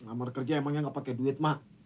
kamar kerja emangnya nggak pakai duit mak